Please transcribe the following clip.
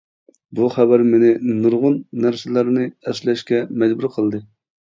بۇ خەۋەر مېنى نۇرغۇن نەرسىلەرنى ئەسلەشكە مەجبۇر قىلدى.